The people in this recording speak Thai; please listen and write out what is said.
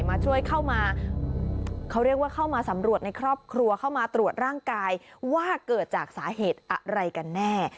มาช่วยเข้ามาเขาเรียกว่าเข้ามาสำรวจในครอบครัวเข้ามาตรวจร่างกายว่าเกิดจากสาเหตุอะไรกันแน่